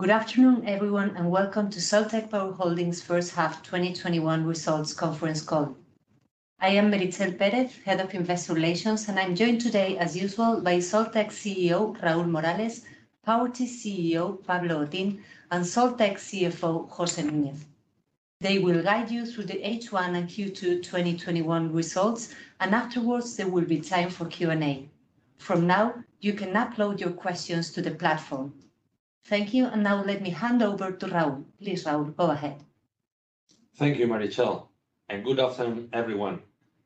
Good afternoon, everyone, and welcome to Soltec Power Holdings' first half 2021 results conference call. I am Meritxell Pérez de Castro-Acuña, Head of Investor Relations, and I'm joined today, as usual, by Soltec's CEO, Raúl Morales, Powertis' CEO, Pablo Otín, and Soltec CFO, José Núñez. They will guide you through the H1 and Q2 2021 results, and afterwards, there will be time for Q&A. From now, you can upload your questions to the platform. Thank you, and now let me hand over to Raúl. Please, Raúl, go ahead. Thank you, Meritxell, and good afternoon, everyone.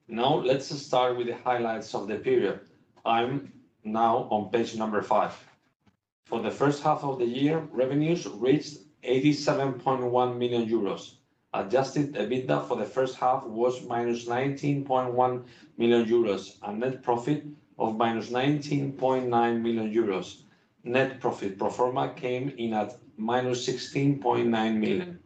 Let's start with the highlights of the period. I'm now on page number five. For the first half of the year, revenues reached 87.1 million euros. Adjusted EBITDA for the first half was minus 19.1 million euros, and net profit of minus 19.9 million euros. Net profit pro forma came in at minus 16.9 million.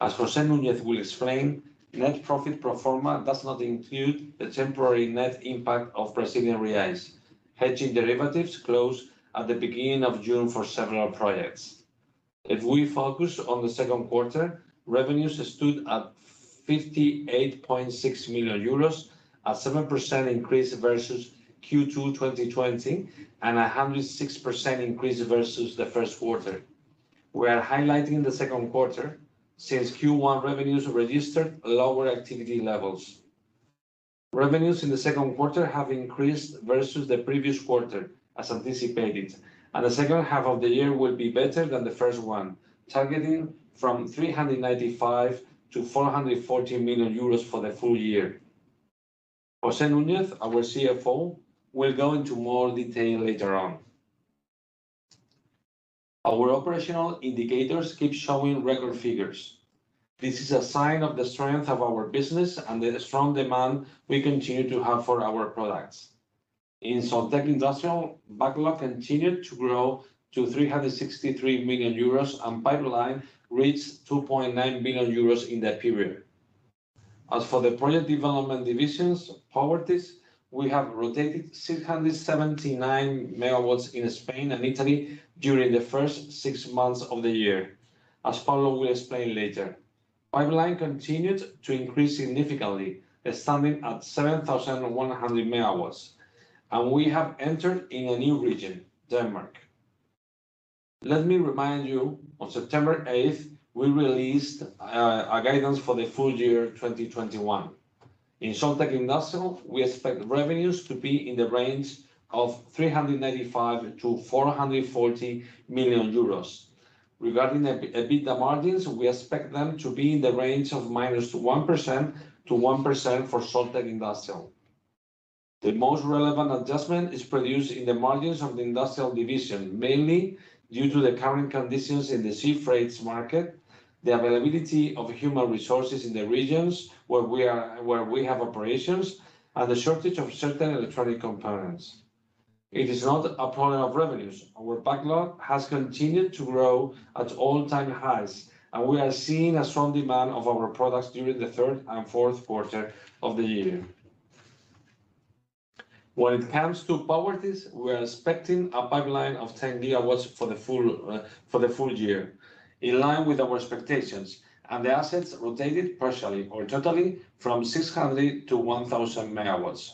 As José Núñez will explain, net profit pro forma does not include the temporary net impact of Brazilian reais, hedging derivatives closed at the beginning of June for several projects. If we focus on the second quarter, revenues stood at 58.6 million euros, a 7% increase versus Q2 2020, and 106% increase versus the first quarter. We are highlighting the second quarter since Q1 revenues registered lower activity levels. Revenues in the second quarter have increased versus the previous quarter, as anticipated, and the second half of the year will be better than the first one, targeting from 395 million-440 million euros for the full year. José Núñez, our CFO, will go into more detail later on. Our operational indicators keep showing record figures. This is a sign of the strength of our business and the strong demand we continue to have for our products. In Soltec Industrial, backlog continued to grow to 363 million euros, and pipeline reached 2.9 billion euros in that period. As for the Project Development division's Powertis, we have rotated 679 MW in Spain and Italy during the first six months of the year, as Pablo will explain later. Pipeline continued to increase significantly, standing at 7,100 MW, and we have entered in a new region, Denmark. Let me remind you, on September 8th, we released our guidance for the full year 2021. In Soltec Industrial, we expect revenues to be in the range of 395 million-440 million euros. Regarding EBITDA margins, we expect them to be in the range of -1% to 1% for Soltec Industrial. The most relevant adjustment is produced in the margins of the Industrial division, mainly due to the current conditions in the sea freights market, the availability of human resources in the regions where we have operations, and the shortage of certain electronic components. It is not a problem of revenues. Our backlog has continued to grow at all-time highs. We are seeing a strong demand of our products during the third and fourth quarter of the year. When it comes to Powertis, we are expecting a pipeline of 10 GW for the full year, in line with our expectations, and the assets rotated partially or totally from 600-1,000 MW.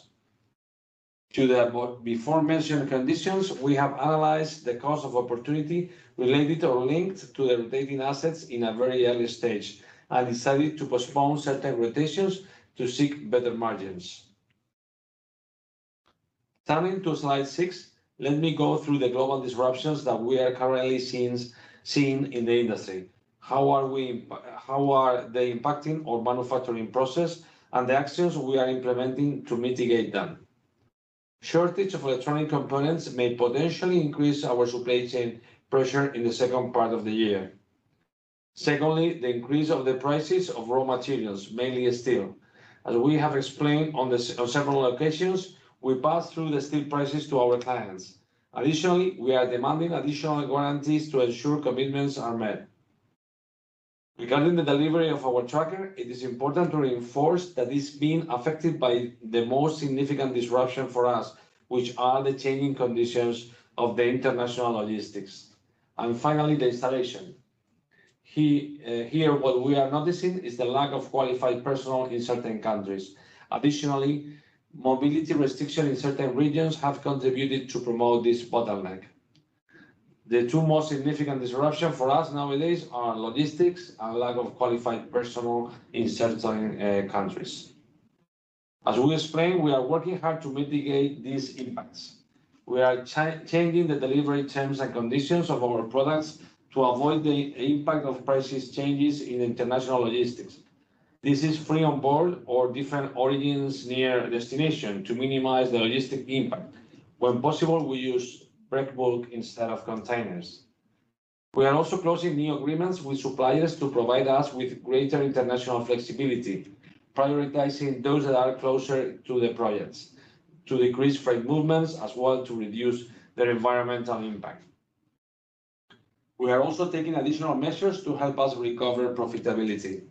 To the before-mentioned conditions, we have analyzed the cost of opportunity related or linked to the rotating assets in a very early stage and decided to postpone certain rotations to seek better margins. Turning to slide six, let me go through the global disruptions that we are currently seeing in the industry, how are they impacting our manufacturing process, and the actions we are implementing to mitigate them. Shortage of electronic components may potentially increase our supply chain pressure in the 2nd part of the year. The increase of the prices of raw materials, mainly steel. As we have explained on several occasions, we pass through the steel prices to our clients. Additionally, we are demanding additional guarantees to ensure commitments are met. Regarding the delivery of our tracker, it is important to reinforce that it's being affected by the most significant disruption for us, which are the changing conditions of the international logistics. Finally, the installation. Here, what we are noticing is the lack of qualified personnel in certain countries. Additionally, mobility restriction in certain regions have contributed to promote this bottleneck. The two most significant disruption for us nowadays are logistics and lack of qualified personnel in certain countries. As we explained, we are working hard to mitigate these impacts. We are changing the delivery terms and conditions of our products to avoid the impact of prices changes in international logistics. This is free on board or different origins near destination to minimize the logistic impact. When possible, we use break bulk instead of containers. We are also closing new agreements with suppliers to provide us with greater international flexibility, prioritizing those that are closer to the projects to decrease freight movements, as well to reduce their environmental impact. We are also taking additional measures to help us recover profitability.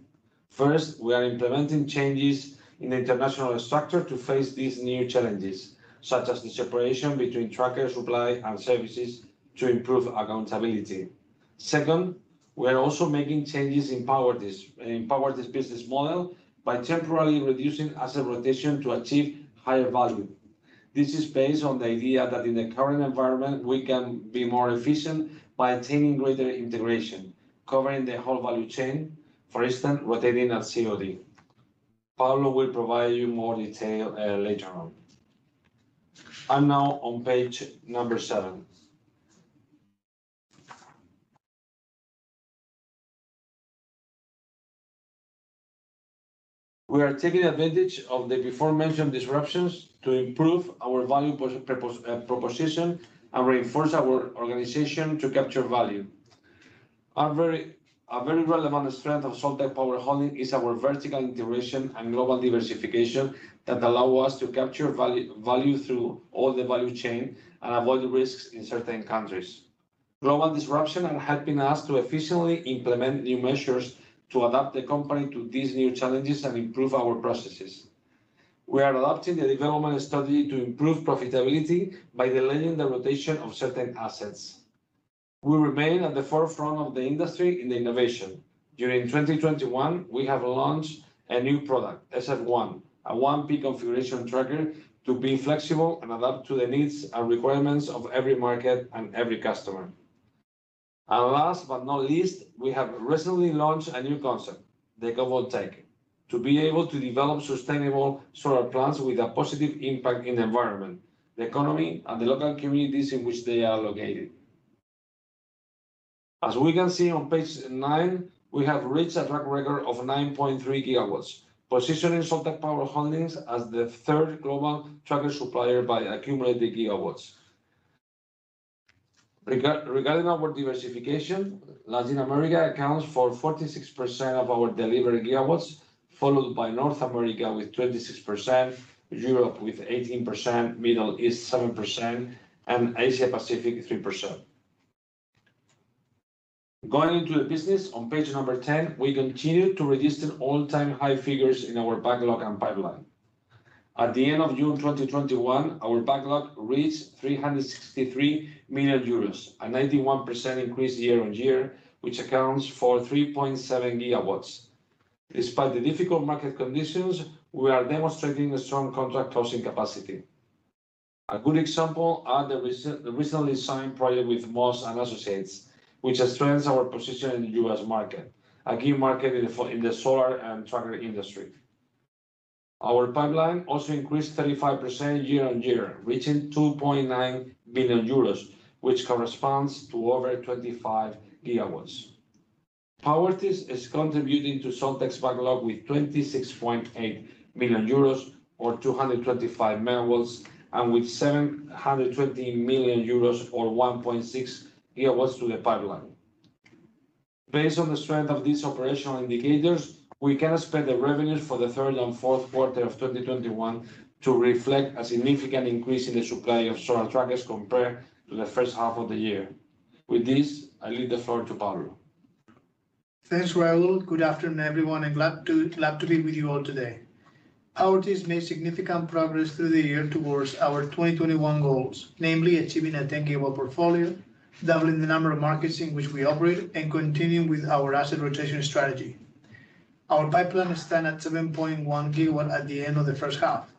First, we are implementing changes in the international structure to face these new challenges, such as the separation between tracker supply and services to improve accountability. Second, we are also making changes in Powertis business model by temporarily reducing asset rotation to achieve higher value. This is based on the idea that in the current environment, we can be more efficient by attaining greater integration, covering the whole value chain. For instance, rotating at COD. Pablo will provide you more detail later on. I'm now on page number seven. We are taking advantage of the before-mentioned disruptions to improve our value proposition and reinforce our organization to capture value. A very relevant strength of Soltec Power Holdings is our vertical integration and global diversification that allow us to capture value through all the value chain and avoid risks in certain countries. Global disruption are helping us to efficiently implement new measures to adapt the company to these new challenges and improve our processes. We are adapting the development strategy to improve profitability by delaying the rotation of certain assets. We remain at the forefront of the industry in innovation. During 2021, we have launched a new product, SFOne, a one-peak configuration tracker to be flexible and adapt to the needs and requirements of every market and every customer. Last but not least, we have recently launched a new concept, the Ecovoltaic, to be able to develop sustainable solar plants with a positive impact in the environment, the economy, and the local communities in which they are located. As we can see on page nine, we have reached a track record of 9.3 GW, positioning Soltec Power Holdings as the third global tracker supplier by accumulated gigawatts. Regarding our diversification, Latin America accounts for 46% of our delivered gigawatts, followed by North America with 26%, Europe with 18%, Middle East 7%, and Asia Pacific 3%. Going into the business on page number 10, we continue to register all-time high figures in our backlog and pipeline. At the end of June 2021, our backlog reached 363 million euros, a 91% increase year-on-year, which accounts for 3.7 GW. Despite the difficult market conditions, we are demonstrating a strong contract closing capacity. A good example are the recently signed project with Moss & Associates, which strengthens our position in the U.S. market, a key market in the solar and tracker industry. Our pipeline also increased 35% year-on-year, reaching 2.9 billion euros, which corresponds to over 25 GW. Powertis is contributing to Soltec's backlog with 26.8 million euros or 225 MW, and with 720 million euros or 1.6 GW to the pipeline. Based on the strength of these operational indicators, we can expect the revenues for the third and fourth quarter of 2021 to reflect a significant increase in the supply of solar trackers compared to the first half of the year. With this, I leave the floor to Pablo. Thanks, Raúl. Good afternoon, everyone. Glad to be with you all today. Powertis made significant progress through the year towards our 2021 goals, namely achieving a 10 GW portfolio, doubling the number of markets in which we operate, and continuing with our asset rotation strategy. Our pipeline stand at 7.1 GW at the end of the first half.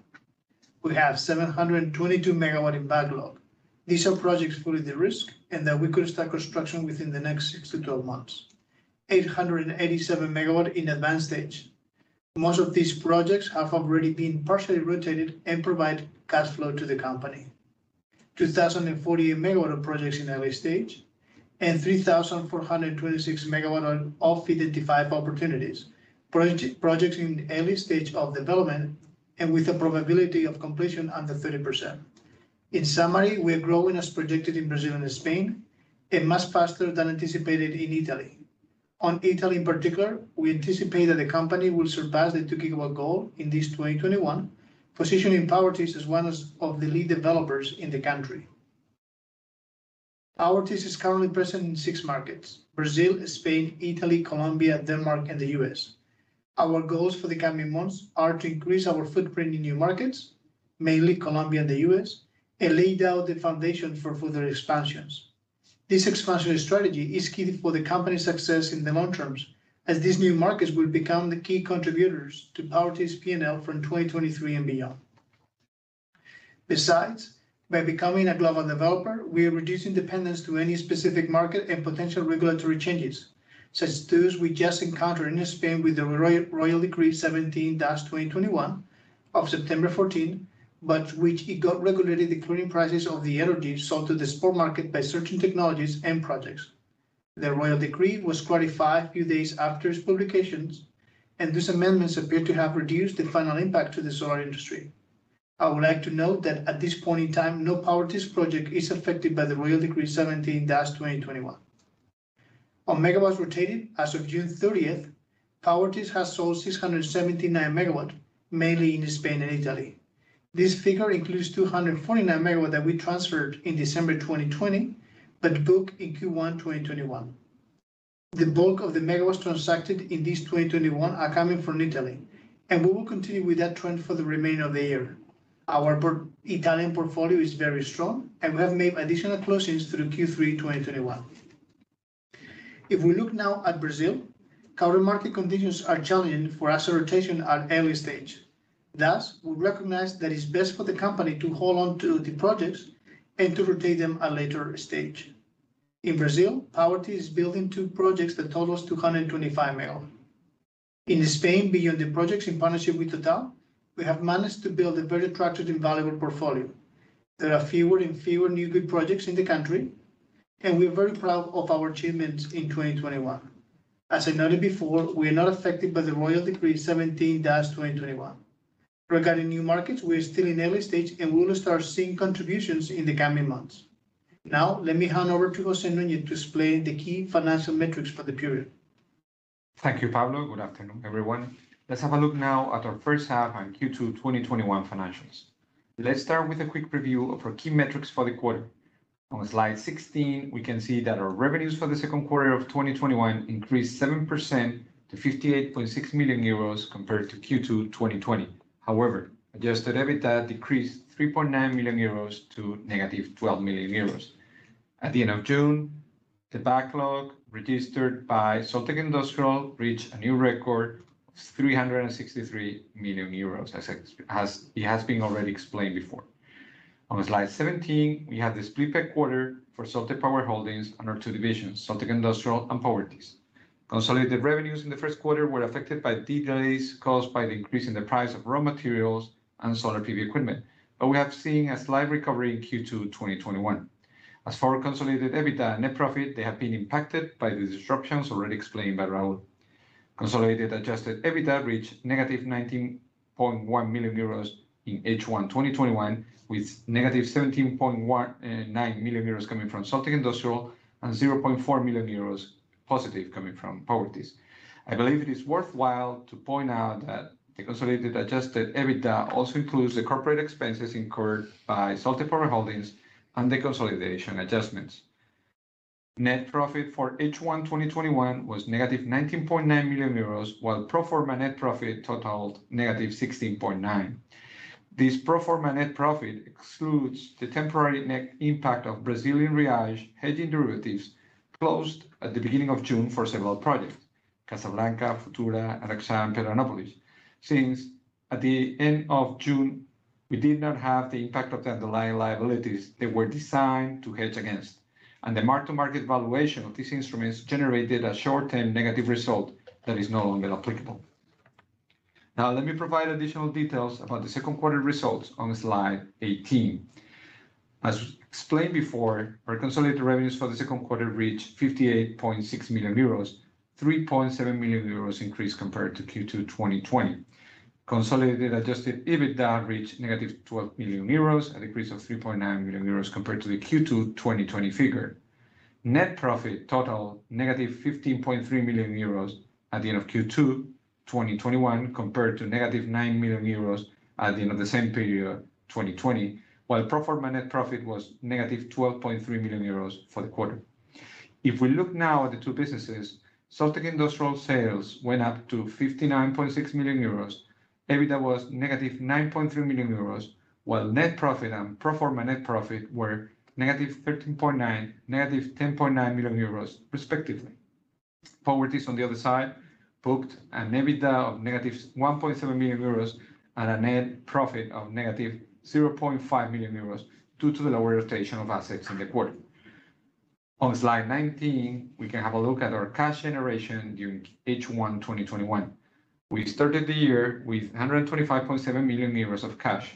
We have 722 MW in backlog. These are projects fully de-risked and that we could start construction within the next 6-2 months. 887 MW in advanced stage. Most of these projects have already been partially rotated and provide cash flow to the company. 2,048 MW of projects in early stage and 3,426 MW of identified opportunities. Projects in early stage of development and with a probability of completion under 30%. In summary, we are growing as predicted in Brazil and Spain, and much faster than anticipated in Italy. On Italy in particular, we anticipate that the company will surpass the 2 GW goal in this 2021, positioning Powertis as one of the lead developers in the country. Powertis is currently present in six markets, Brazil, Spain, Italy, Colombia, Denmark, and the U.S. Our goals for the coming months are to increase our footprint in new markets, mainly Colombia and the U.S., and lay down the foundation for further expansions. This expansion strategy is key for the company's success in the long term, as these new markets will become the key contributors to Powertis' P&L from 2023 and beyond. By becoming a global developer, we are reducing dependence to any specific market and potential regulatory changes, such as those we just encountered in Spain with the Royal Decree 17-2021 of September 14, but which it got regulated the clearing prices of the energy sold to the spot market by certain technologies and projects. The Royal Decree was clarified a few days after its publications, and these amendments appear to have reduced the final impact to the solar industry. I would like to note that at this point in time, no Powertis project is affected by the Royal Decree 17-2021. On megawatts rotated, as of June 30th, Powertis has sold 679 MW, mainly in Spain and Italy. This figure includes 249 MW that we transferred in December 2020, but booked in Q1 2021. The bulk of the megawatts transacted in this 2021 are coming from Italy, and we will continue with that trend for the remainder of the year. Our Italian portfolio is very strong, and we have made additional closings through Q3 2021. If we look now at Brazil, current market conditions are challenging for asset rotation at early stage. Thus, we recognize that it's best for the company to hold on to the projects and to rotate them at later stage. In Brazil, Powertis is building two projects that totals 225 MW. In Spain, beyond the projects in partnership with TotalEnergies, we have managed to build a very attractive and valuable portfolio. There are fewer and fewer new build projects in the country, and we are very proud of our achievements in 2021. As I noted before, we are not affected by the Royal Decree-Law 17-2021. Regarding new markets, we are still in early stage, and we will start seeing contributions in the coming months. Now, let me hand over to José Núñez to explain the key financial metrics for the period. Thank you, Pablo. Good afternoon, everyone. Let's have a look now at our first half and Q2 2021 financials. Let's start with a quick review of our key metrics for the quarter. On slide 16, we can see that our revenues for the second quarter of 2021 increased 7% to 58.6 million euros compared to Q2 2020. However, adjusted EBITDA decreased 3.9 million euros to negative 12 million euros. At the end of June, the backlog registered by Soltec Industrial reached a new record of 363 million euros, as it has been already explained before. On slide 17, we have the split by quarter for Soltec Power Holdings and our two divisions, Soltec Industrial and Powertis. Consolidated revenues in the first quarter were affected by delays caused by the increase in the price of raw materials and solar PV equipment, but we have seen a slight recovery in Q2 2021. As for our consolidated EBITDA and net profit, they have been impacted by the disruptions already explained by Raúl Morales. Consolidated adjusted EBITDA reached negative 19.1 million euros in H1 2021, with negative 17.9 million euros coming from Soltec Industrial and 0.4 million euros positive coming from Powertis. I believe it is worthwhile to point out that the consolidated adjusted EBITDA also includes the corporate expenses incurred by Soltec Power Holdings and the consolidation adjustments. Net profit for H1 2021 was negative 19.9 million euros, while pro forma net profit totaled negative 16.9. This pro forma net profit excludes the temporary net impact of Brazilian reais hedging derivatives closed at the beginning of June for several projects, Casablanca, Futura, Araxá, and Pernambucas. Since at the end of June, we did not have the impact of the underlying liabilities that were designed to hedge against, and the mark-to-market valuation of these instruments generated a short-term negative result that is no longer applicable. Let me provide additional details about the second quarter results on slide 18. As explained before, our consolidated revenues for the second quarter reached 58.6 million euros, 3.7 million euros increase compared to Q2 2020. Consolidated adjusted EBITDA reached negative 12 million euros, a decrease of 3.9 million euros compared to the Q2 2020 figure. Net profit total negative 15.3 million euros at the end of Q2 2021, compared to negative 9 million euros at the end of the same period of 2020, while pro forma net profit was negative 12.3 million euros for the quarter. Soltec Industrial sales went up to 59.6 million euros. EBITDA was negative 9.3 million euros, while net profit and pro forma net profit were negative 13.9 million, negative 10.9 million euros respectively. Powertis, on the other side, booked an EBITDA of negative 1.7 million euros and a net profit of negative 0.5 million euros due to the lower rotation of assets in the quarter. On slide 19, we can have a look at our cash generation during H1 2021. We started the year with 125.7 million euros of cash.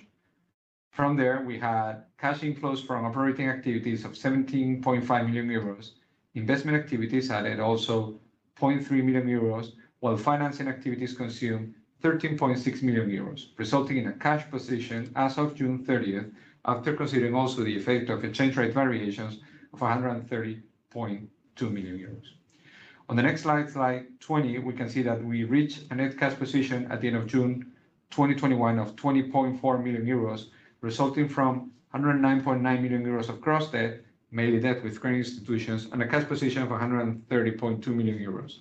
We had cash inflows from operating activities of 17.5 million euros. Investment activities added also 0.3 million euros, while financing activities consumed 13.6 million euros, resulting in a cash position as of June 30th, after considering also the effect of exchange rate variations, of 130.2 million euros. On the next slide 20, we can see that we reached a net cash position at the end of June 2021 of 20.4 million euros, resulting from 109.9 million euros of gross debt, mainly debt with credit institutions, and a cash position of 130.2 million euros.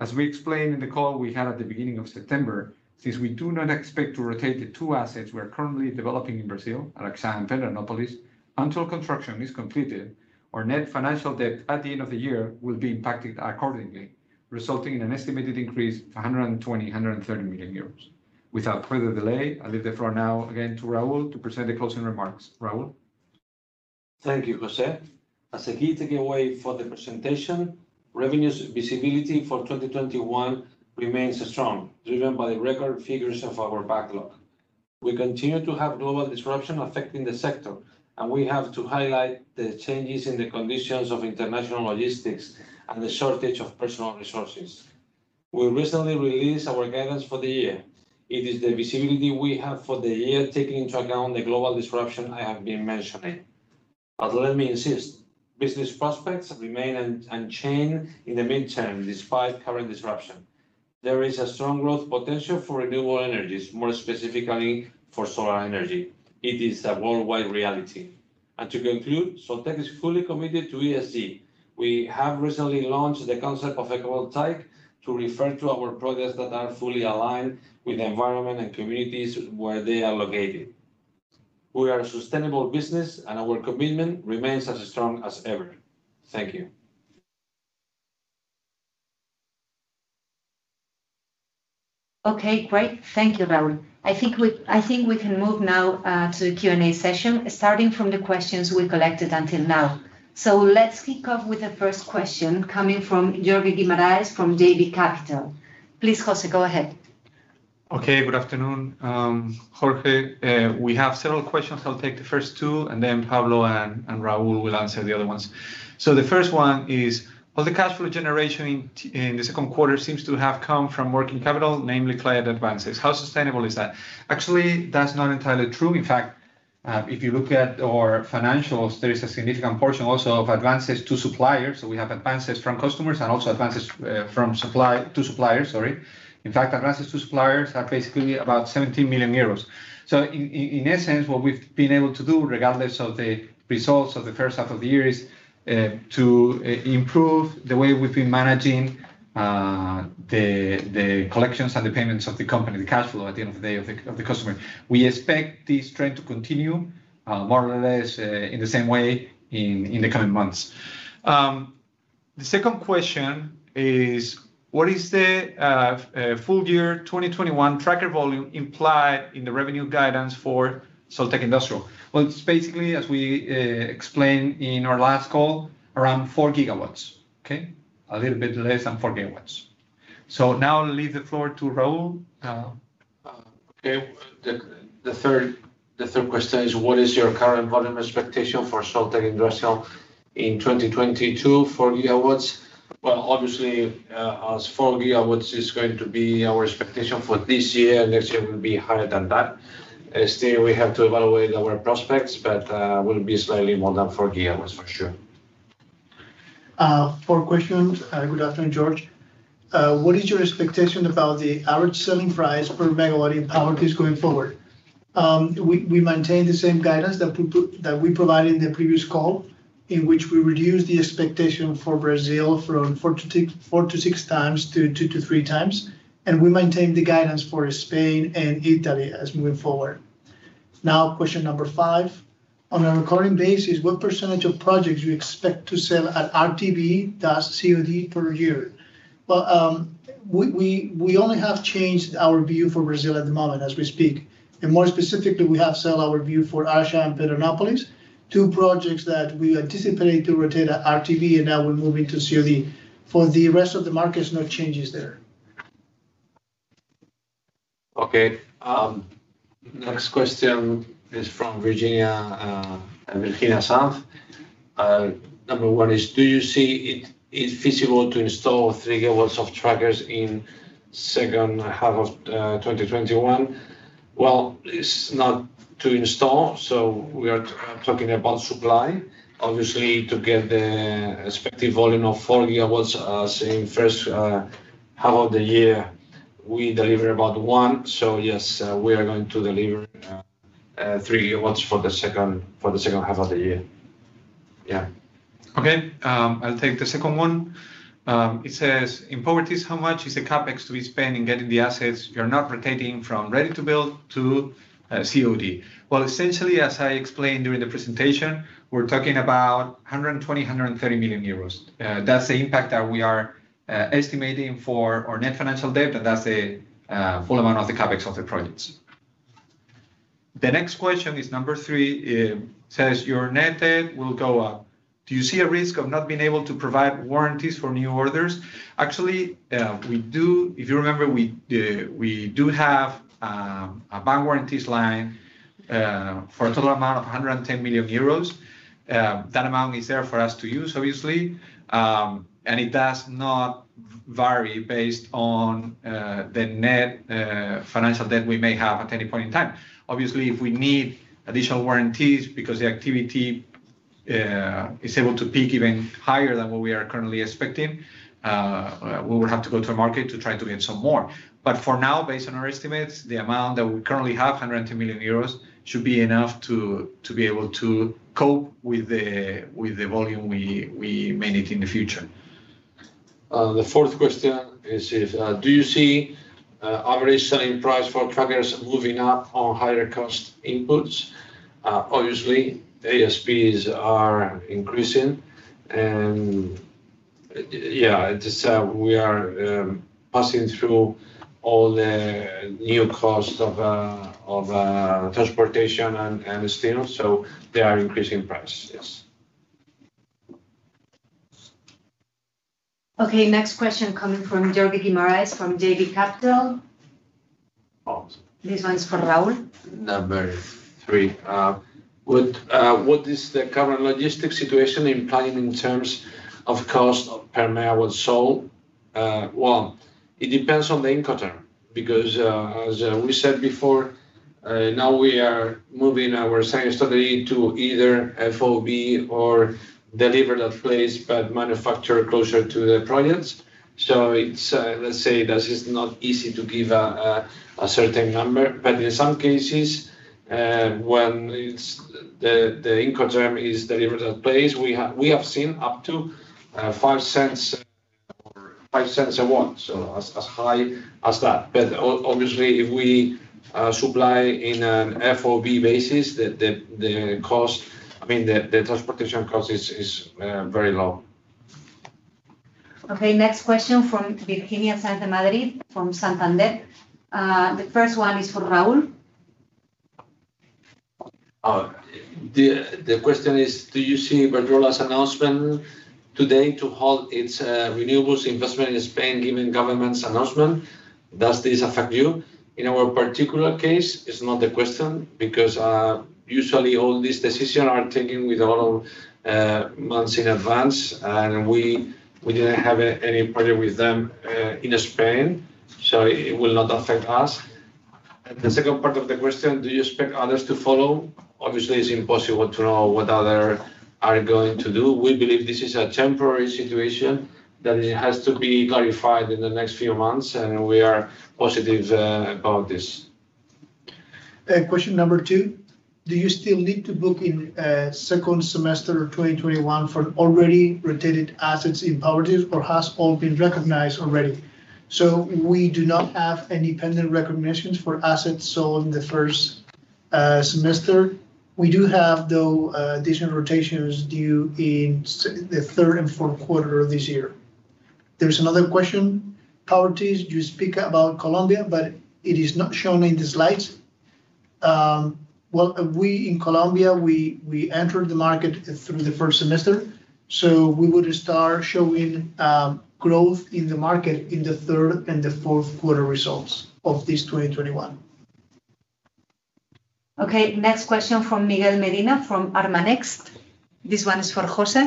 As we explained in the call we had at the beginning of September, since we do not expect to rotate the two assets we are currently developing in Brazil, Araxá and Pernambucas, until construction is completed, our net financial debt at the end of the year will be impacted accordingly, resulting in an estimated increase of 120 million-130 million euros. Without further delay, I leave the floor now again to Raúl to present the closing remarks. Raúl? Thank you, José. As a key takeaway for the presentation, revenues visibility for 2021 remains strong, driven by the record figures of our backlog. We continue to have global disruption affecting the sector, and we have to highlight the changes in the conditions of international logistics and the shortage of personnel resources. We recently released our guidance for the year. It is the visibility we have for the year, taking into account the global disruption I have been mentioning. But let me insist, business prospects remain unchanged in the midterm, despite current disruption. There is a strong growth potential for renewable energies, more specifically for solar energy. It is a worldwide reality. Soltec is fully committed to ESG. We have recently launched the concept of Ecovoltaic to refer to our projects that are fully aligned with the environment and communities where they are located. We are a sustainable business, and our commitment remains as strong as ever. Thank you. Okay, great. Thank you, Raúl. I think we can move now to the Q&A session, starting from the questions we collected until now. Let's kick off with the first question coming from Jorge Guimarães from JB Capital. Please, José, go ahead. Okay. Good afternoon. Jorge, we have several questions. I'll take the first two, and then Pablo and Raúl will answer the other ones. The first one is, will the cash flow generation in the second quarter seems to have come from working capital, namely client advances. How sustainable is that? Actually, that's not entirely true. In fact, if you look at our financials, there is a significant portion also of advances to suppliers. We have advances from customers and also advances to suppliers. In fact, advances to suppliers are basically about 17 million euros. In essence, what we've been able to do, regardless of the results of the first half of the year, is to improve the way we've been managing the collections and the payments of the company, the cash flow at the end of the day of the customer. We expect this trend to continue, more or less, in the same way in the coming months. The second question is, what is the full year 2021 tracker volume implied in the revenue guidance for Soltec Industrial? It's basically, as we explained in our last call, around 4 GW. Okay. A little bit less than 4 GW. Now I'll leave the floor to Raul. Okay. The third question is, what is your current volume expectation for Soltec Industrial in 2022, 4 GW? Well, obviously, as 4 GW is going to be our expectation for this year, next year will be higher than that. We have to evaluate our prospects, but will be slightly more than 4 GW, for sure. Four questions. Good afternoon, Jorge. What is your expectation about the average selling price per megawatt in Powertis going forward? We maintain the same guidance that we provided in the previous call, in which we reduce the expectation for Brazil from 4x-6x to 2x-3x. We maintain the guidance for Spain and Italy as moving forward. Question number five. On a recurring basis, what precentage of projects you expect to sell at RTB/COD per year? We only have changed our view for Brazil at the moment as we speak. More specifically, we have changed our view for Araxá and Pirapora, two projects that we anticipate to rotate at RTB and now we're moving to COD. For the rest of the markets, no changes there. Okay. Next question is from Virginia Santamaria. Number one is, do you see it is feasible to install 3 GW of trackers in second half of 2021? Well, it's not to install, so we are talking about supply. Obviously, to get the expected volume of 4 GW, saying first half of the year, we deliver about one. Yes, we are going to deliver 3 GW for the second half of the year. Yeah. I'll take the second one. It says, in Powertis, how much is the CapEx to be spent in getting the assets you're not rotating from RTB to COD? Essentially, as I explained during the presentation, we're talking about 120 million-130 million euros. That's the impact that we are estimating for our net financial debt, and that's the full amount of the CapEx of the projects. The next question is number three. It says, your net debt will go up. Do you see a risk of not being able to provide warranties for new orders? If you remember, we do have a bank warranties line for a total amount of 110 million euros. That amount is there for us to use, obviously, and it does not vary based on the net financial debt we may have at any point in time. Obviously, if we need additional warranties because the activity is able to peak even higher than what we are currently expecting, we would have to go to market to try to get some more. For now, based on our estimates, the amount that we currently have, 120 million euros, should be enough to be able to cope with the volume we may need in the future. The fourth question is, do you see average selling price for trackers moving up on higher cost inputs? ASPs are increasing, yeah, we are passing through all the new costs of transportation and steel. They are increasing price, yes. Okay, next question coming from Jorge Guimarães from JB Capital. This one's for Raul. Number three. What is the current logistics situation implying in terms of cost per MW sold? Well, it depends on the Incoterm, because as we said before, now we are moving our strategy to either FOB or delivered at place, but manufacture closer to the projects. Let's say this is not easy to give a certain number, but in some cases, when the Incoterm is delivered at place, we have seen up to $0.05 or $0.05 a watt, so as high as that. Obviously if we supply in an FOB basis, the transportation cost is very low. Okay. Next question from Virginia Santamaria from Santander. The first one is for Raúl. The question is, "Do you see Iberdrola's announcement today to halt its renewables investment in Spain given government's announcement? Does this affect you?" In our particular case, it's not the question because usually all these decisions are taken with a lot of months in advance, and we didn't have any project with them in Spain, so it will not affect us. The second part of the question, "Do you expect others to follow?" Obviously, it's impossible to know what others are going to do. We believe this is a temporary situation that has to be clarified in the next few months, and we are positive about this. Question number two, do you still need to book in second semester 2021 for already rotated assets in Powertis, or has all been recognized already? We do not have any pending recognitions for assets sold in the first semester. We do have, though, additional rotations due in the third and fourth quarter of this year. There is another question. Powertis, you speak about Colombia, but it is not shown in the slides. We, in Colombia, we entered the market through the first semester, so we would start showing growth in the market in the third and the fourth quarter results of this 2021. Okay. Next question from Miguel Medina from [Armanex]. This one is for José.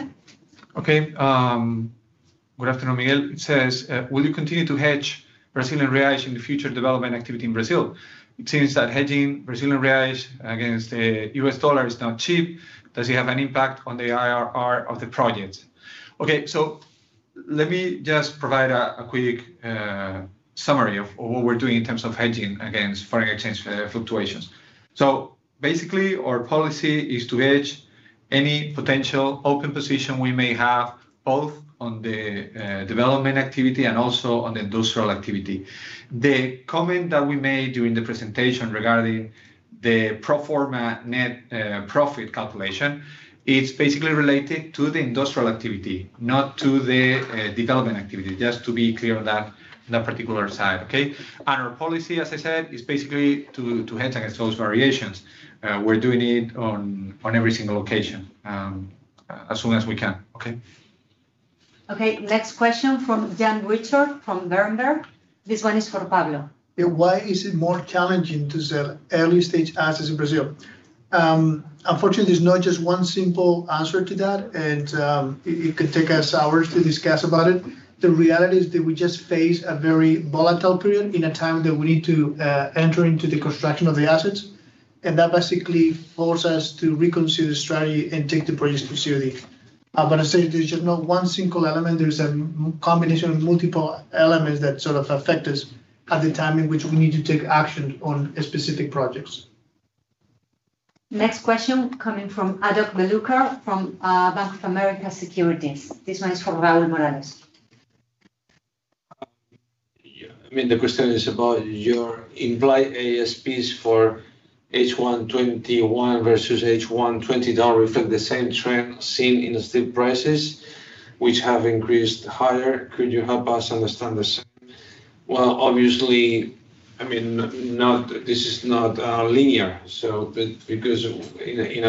Good afternoon, Miguel. It says, "Will you continue to hedge Brazilian reais in the future development activity in Brazil? It seems that hedging Brazilian reais against the U.S. dollar is now cheap. Does it have an impact on the IRR of the project?" Let me just provide a quick summary of what we're doing in terms of hedging against foreign exchange fluctuations. Basically, our policy is to hedge any potential open position we may have, both on the development activity and also on the industrial activity. The comment that we made during the presentation regarding the pro forma net profit calculation, it's basically related to the industrial activity, not to the development activity, just to be clear on that particular side, okay? Our policy, as I said, is basically to hedge against those variations. We're doing it on every single occasion, as soon as we can. Okay. Okay. Next question from Jan Richter from Berenberg. This one is for Pablo. Why is it more challenging to sell early-stage assets in Brazil? Unfortunately, there's not just one simple answer to that, and it could take us hours to discuss about it. The reality is that we just face a very volatile period in a time that we need to enter into the construction of the assets, and that basically forces us to reconsider the strategy and take the projects to COD. I say there's just not one single element. There is a combination of multiple elements that affect us at the time in which we need to take action on specific projects. Next question coming from Adoc Belluca from Bank of America Securities. This one is for Raúl Morales. The question is about your implied ASPs for H1 2021 versus H1 2020 reflect the same trend seen in the steel prices, which have increased higher. Could you help us understand this? Well, obviously, this is not linear. A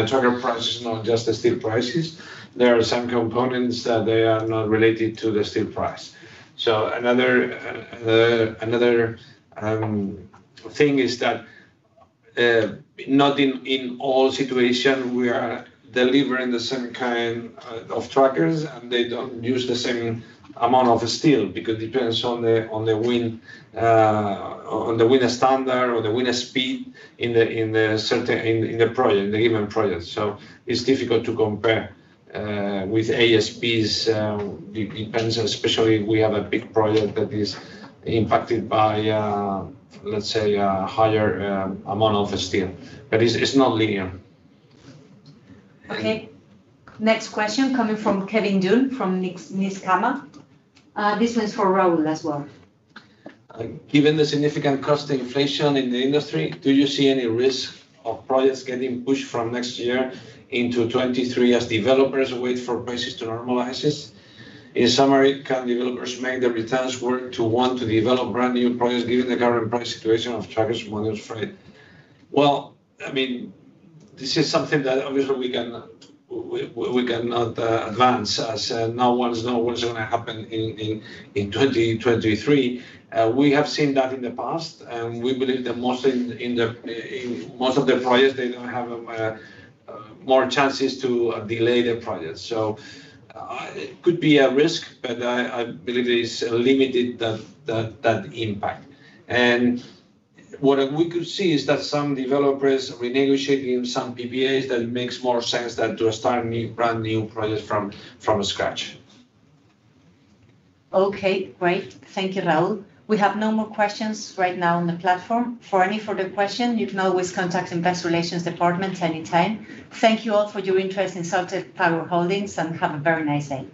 tracker price is not just the steel prices. There are some components that they are not related to the steel price. Another thing is that, not in all situation we are delivering the same kind of trackers, and they don't use the same amount of steel, because it depends on the wind standard or the wind speed in the given project. It's difficult to compare with ASPs. It depends, especially if we have a big project that is impacted by, let's say, a higher amount of steel. It's not linear. Next question coming from Kevin Dunn from [Numis]. This one's for Raul as well. Given the significant cost inflation in the industry, do you see any risk of projects getting pushed from next year into 2023 as developers wait for prices to normalize? Can developers make the returns work to want to develop brand-new projects given the current price situation of trackers, modules, freight? This is something that obviously we cannot advance, as no one know what's going to happen in 2023. We have seen that in the past, and we believe that most of the projects, they don't have more chances to delay the projects. It could be a risk, but I believe it is limited, that impact. What we could see is that some developers renegotiating some PPAs, that makes more sense than to start brand-new projects from scratch. Okay, great. Thank you, Raúl. We have no more questions right now on the platform. For any further question, you can always contact Investor Relations department anytime. Thank you all for your interest in Soltec Power Holdings, and have a very nice day.